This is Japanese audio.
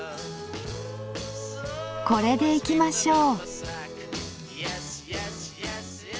これでいきましょう。